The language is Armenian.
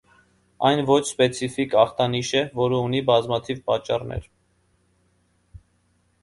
Այն ոչ սպեցիֆիկ ախտանիշ է, որը ունի բազմաթիվ պատճառներ։